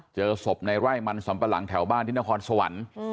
เจอศพในไร่มันสำปะหลังแถวบ้านที่นครสวรรค์